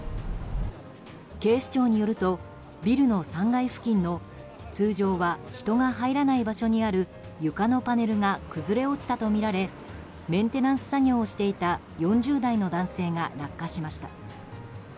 警視庁によるとビルの３階付近の、通常は人が入らない場所にある床のパネルが崩れ落ちたとみられメンテナンス作業をしていた４０代の男性が落下しました。